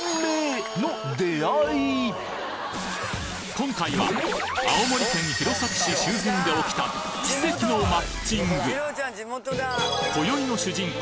今回は青森県弘前市周辺で起きた奇跡のマッチング今宵の主人公